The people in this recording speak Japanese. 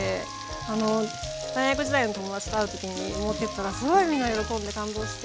あの大学時代の友達と会う時に持ってったらすごいみんな喜んで感動して。